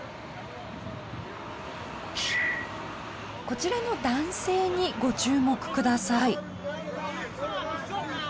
こちらの男性にご注目ください。